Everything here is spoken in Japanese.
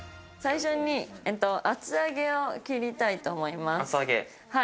最初に厚揚げを切りたいと思厚揚げ？